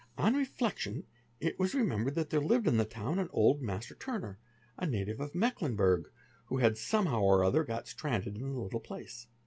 On reflection, it was remembered that there lived in the town an old . laster turner, a native of Mecklenburg, who had somehow or other got randed in the little place.